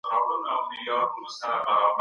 دې دورې ته د تورو پېړیو نوم هم ورکول کیږي.